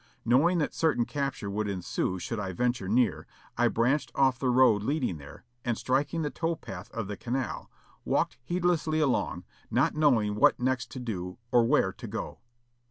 Knowing that certain capture would ensue should I venture near, I branched off the road leading there, and striking the towpath of the canal, walked heedlessly along, not knowing what next to do or where to go.